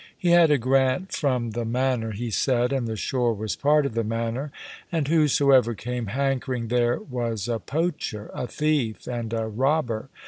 He had a grant from the manor, he said, and the shore was part of the manor; and whosoever came hankering there was a poacher, a thief, and a robber.